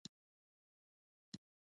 پوښتنه کول ولې ښه دي؟